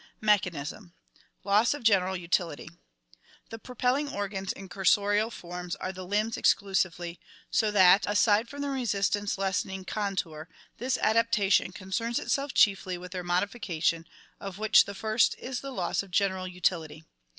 Mechanism Loss of General Utility. — The propelling organs in cursorial forms are the limbs exclusively, so that, aside from the resistance lessening contour, this adaptation concerns itself chiefly with their modification, of which the first is the loss of general utility.